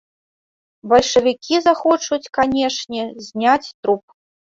Бальшавікі захочуць, канешне, зняць труп.